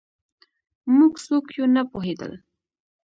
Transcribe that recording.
موږ څوک یو نه پوهېدل